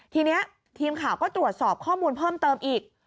ทีนี้ทีมข่าวก็ตรวจสอบข้อมูลเพิ่มเติมอีก